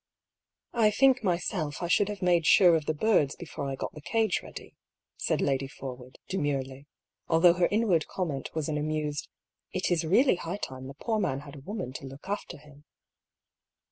"I think myself I should have made sure of the birds before I got the cage ready," said Lady Forwood, demurely (although her inward comment was an amused " It is really high time the poor man had a woman to look after him